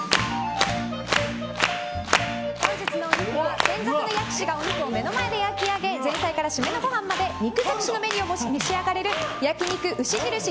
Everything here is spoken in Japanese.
本日のお肉は、専属の焼き師がお肉を目の前で焼き上げ前菜から締めのご飯まで肉尽くしのメニューを召し上がれる焼肉牛印